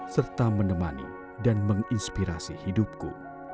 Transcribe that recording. serta menemani dan menginspirasi hidupku